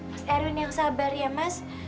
mas erwin yang sabar ya mas